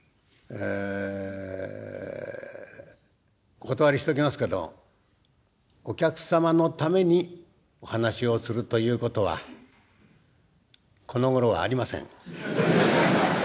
お断りしときますけどお客様のためにお噺をするということはこのごろありません。